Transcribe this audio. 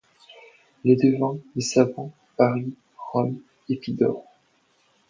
Les devins, les savants, Paris, Rome, Épidaure